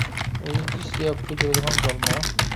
ئۇزىتىش زىياپىتى بېرىدىغان زالمۇ؟